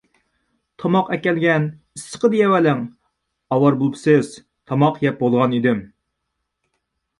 تاماق ئەكەلگەن، ئىسسىقىدا يەۋېلىڭ، ئاۋارە بولۇپسىز، تاماق يەپ بولغان ئىدىم.